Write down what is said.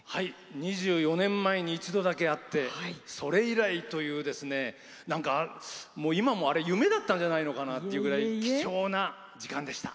２４年前に一度だけ会ってそれ以来というなんか、今も、あれ夢だったんじゃないかなっていうぐらい貴重な時間でした。